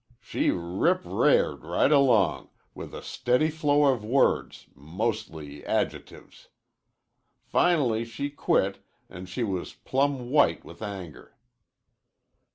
She rip r'ared right along, with a steady flow of words, mostly adjectives. Finally she quit, an' she was plumb white with anger.